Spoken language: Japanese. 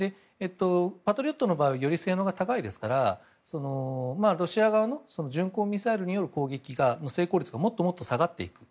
パトリオットの場合はより性能が高いですからロシア側の巡航ミサイルによる攻撃の成功率がもっともっと下がっていく。